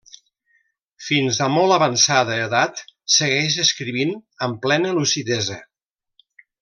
Fins a molt avançada edat segueix escrivint amb plena lucidesa.